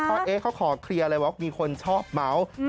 เอ๊ะเขาขอเคลียร์เลยว่ามีคนชอบเมาส์